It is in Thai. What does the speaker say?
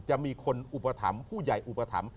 จะมีคนอุปถัมภ์ผู้ใหญ่อุปถัมภ